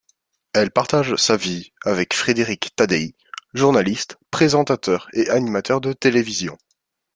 Elle partage sa vie avec Frédéric Taddeï, journaliste, présentateur, et animateur de télévision.